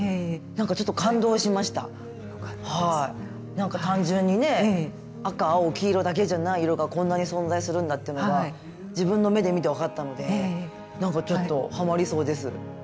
なんか単純にね赤青黄色だけじゃない色がこんなに存在するんだってのが自分の目で見て分かったのでなんかちょっとハマりそうです。